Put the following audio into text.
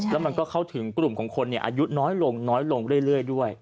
แล้วมันก็เข้าถึงกลุ่มของคนอายุน้อยลงน้อยลงเรื่อยด้วย